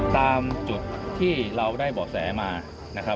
ตามจุดที่เราได้บ่อแสมา